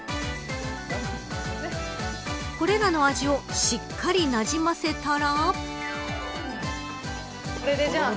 これらの味をしっかりなじませたら。